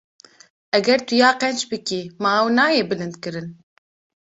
Eger tu ya qenc bikî, ma ew nayê bilindkirin?